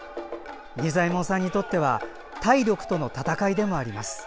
仁左衛門さんにとっては体力との闘いでもあります。